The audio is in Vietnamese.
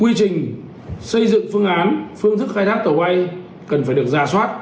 quy trình xây dựng phương án phương thức khai thác tàu bay cần phải được ra soát